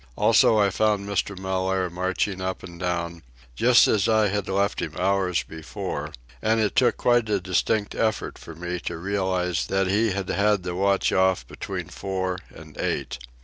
Also I found Mr. Mellaire marching up and down, just as I had left him hours before, and it took quite a distinct effort for me to realize that he had had the watch off between four and eight.